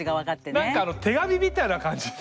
何か手紙みたいな感じで。